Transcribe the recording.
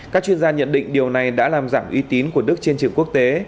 các chuyên gia nhận định điều này đã làm giảm uy tín của đức trên trường quốc tế